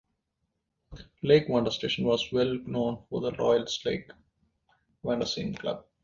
Lake Vanda Station was well known for The Royal Lake Vanda Swim Club.